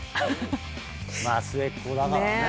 まあ末っ子だからね。